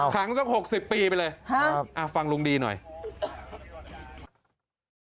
ขังสัก๖๐ปีไปเลยฮะฟังลุงดีหน่อยครับ